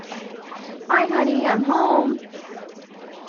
Hi Honey, I'm Home!